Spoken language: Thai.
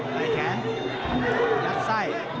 ใกล้แขนยัดไส้